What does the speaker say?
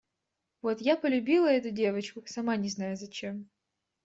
Вот я полюбила эту девочку, сама не знаю зачем.